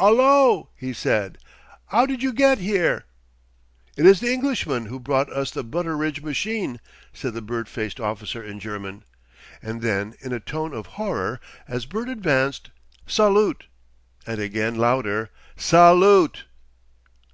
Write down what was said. "Ul LO!" he said; "'ow did you get 'ere?" "It is the Englishman who brought us the Butteridge machine," said the bird faced officer in German, and then in a tone of horror, as Bert advanced, "Salute!" and again louder, "SALUTE!"